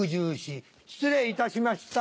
失礼いたしました。